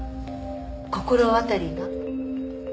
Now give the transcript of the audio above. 心当たりが？